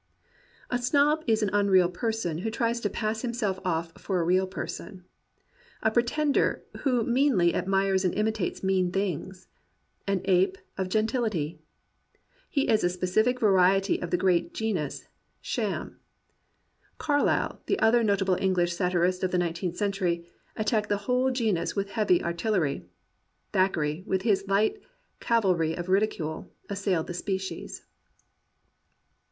A snob is an unreal person who tries to pass him self off for a real person; a pretender who meanly admires and imitates mean things; an ape of gen tility. He is a specific variety of the great genus *'Sham.'* Carlyle, the other notable English satirist of the nineteenth century, attacked the whole genus with heavy artillery. Thackeray, with his hght cavalry of ridicule, assailed the species.